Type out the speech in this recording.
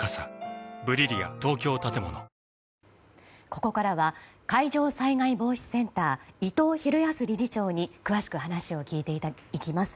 ここからは海上災害防止センター伊藤裕康理事長に詳しく話を聞いていきます。